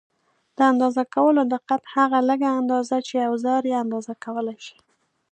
د اندازه کولو دقت: هغه لږه اندازه چې اوزار یې اندازه کولای شي.